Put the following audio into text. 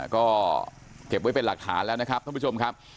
ก็เก็บไว้เป็นหลักฐานแล้วนะครับท่านผู้ชมครับ